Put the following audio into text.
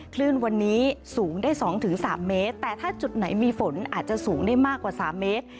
คลื่นวันนี้สูงได้๒๓เมตรแต่ถ้าจุดไหนมีฝนอาจจะสูงได้มากกว่าสามเมตร